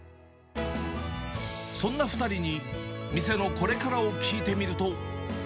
そんな２人に、店のこれからを聞いてみると。